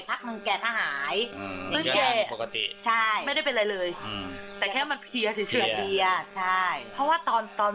เพราะว่าเวลาแกนั่งนานเมื่อแกเพียแล้วแกน่งนาน